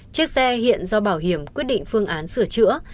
chiếc xe hiện do bảo hiểm quyết định phương án sửa chữa